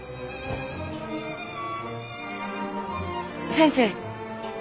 先生！